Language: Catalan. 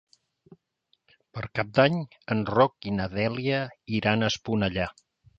Per Cap d'Any en Roc i na Dèlia iran a Esponellà.